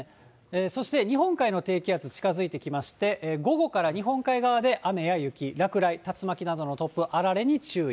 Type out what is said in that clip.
そして、日本海の低気圧、近づいてきまして、午後から日本海側で雨や雪、落雷、竜巻などの突風、あられに注意。